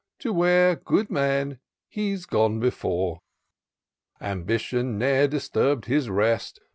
To where, good man ! he's gone before. Ambition ne'er disturb'd his rest.